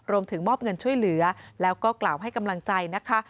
รวมถึงมอบเงินช่วยเหลือแล้วก็กล่าวให้กำลังใจนะคะ